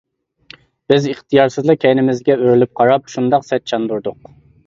بىز ئىختىيارسىزلا كەينىمىزگە ئۆرۈلۈپ قاراپ، شۇنداق سەت چاندۇردۇق.